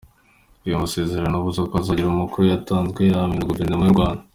Ayo masezerano abuza ko hagira amakuru mu yatanzwe yamenywa na Guverinoma y’u Rwanda.